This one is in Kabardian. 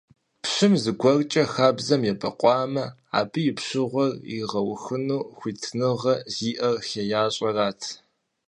Пщыр зыгуэркӏэ хабзэм ебэкъуамэ, абы и пщыгъуэр иригъэухыну хуитыныгъэ зиӀэр хеящӀэрат.